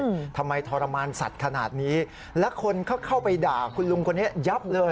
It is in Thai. อืมทำไมทรมานสัตว์ขนาดนี้แล้วคนก็เข้าไปด่าคุณลุงคนนี้ยับเลย